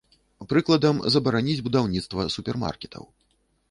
Прыкладам, забараніць будаўніцтва супермаркетаў.